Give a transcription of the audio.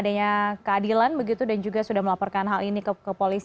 adanya keadilan begitu dan juga sudah melaporkan hal ini ke polisi